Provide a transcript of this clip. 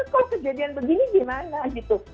kalau kejadian begini gimana gitu